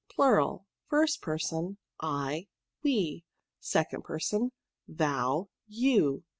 Plural. First Person, I, We. Second Person, Thou, You.